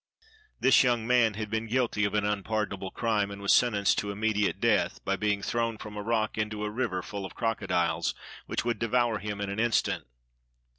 This young man had been guilty of an unpardonable crime, and was sen tenced to immediate death, by being thrown from a rock into a river full of crocodiles, which would devour him in an instant.